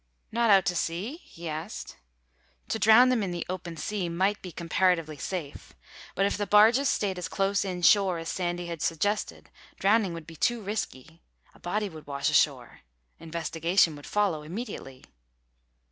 "Not out to sea?" he asked. To drown them in the open sea might be comparatively safe. But if the barges stayed as close inshore as Sandy had suggested, drowning would be too risky. A body would wash ashore. Investigation would follow immediately.